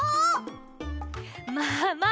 まあまあ。